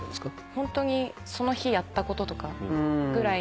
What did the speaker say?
ホントにその日やったこととかぐらいの。